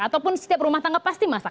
ataupun setiap rumah tangga pasti masak